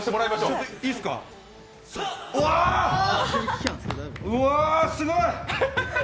うわ、すごい！